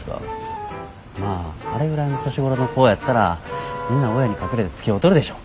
まああれぐらいの年頃の子やったらみんな親に隠れてつきおうとるでしょ。